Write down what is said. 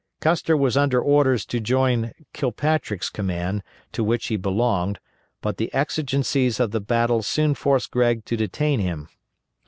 Custer was under orders to join Kilpatrick's command, to which he belonged, but the exigencies of the battle soon forced Gregg to detain him.